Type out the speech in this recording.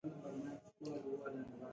کتل د وجدان غږ ته ور رسېږي